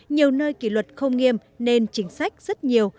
nhiều nơi kỷ luật không nghiêm nên chính sách rất nhiều